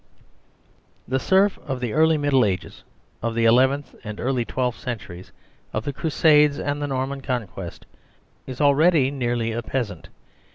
The Serf of the early Middle Ages, of the eleventh and early twelfth centuries, of the Crusades and the Norman Conquest, is already nearly a peasant.